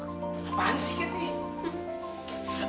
apaan sih ya teri